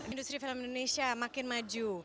industri film indonesia makin maju